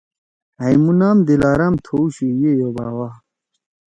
ہائمُو نام دل آرام تھؤشُو یِئی او باوا